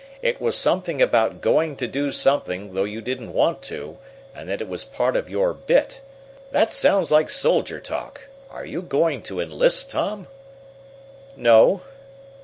It was something about going to do something though you didn't want to, and that it was part of your 'bit'. That sounds like soldier talk. Are you going to enlist, Tom?" "No."